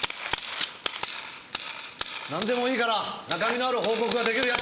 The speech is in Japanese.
なんでもいいから中身のある報告が出来る奴！